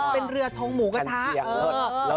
เป็นเรือทงหมูกระทะ